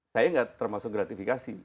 saya tidak termasuk gratifikasi